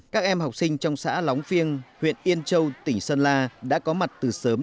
các em học sinh trong xã lóng phiêng huyện yên châu tỉnh sơn la đã có mặt từ sớm